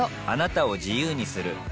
あなたを自由にする